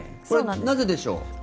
これはなぜでしょう。